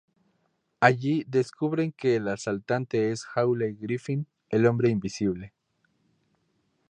Allí descubren que el asaltante es Hawley Griffin, El hombre invisible.